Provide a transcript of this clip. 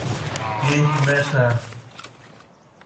Τι έχει μέσα!